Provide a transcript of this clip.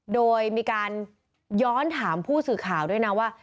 โดยมีการย้อนถามผู้สื่อข่าวด้วยนะว่า